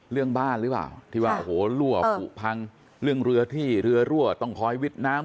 เรื่องบ้านหรือเปล่าที่ว่าโอ้โหรั่วผูพังเรื่องเรือที่เรือรั่วต้องคอยวิทย์น้ำ